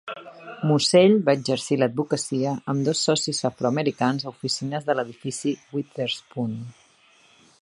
Mossell va exercir l'advocacia amb dos socis afroamericans a oficines de l'edifici Witherspoon.